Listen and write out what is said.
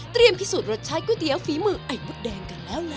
เตรียมพิสูจน์รสชายก๋วยเตี๋ยวฝีมือไอมดแดงกันแล้วละ